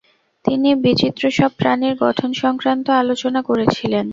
তিনি বিচিত্রসব প্রাণীর গঠন সংক্রান্ত আলোচনা করেছিলেন।